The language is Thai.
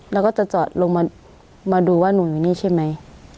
แล้วก็จะจอดลงมามาดูว่าหนูอยู่นี่ใช่ไหม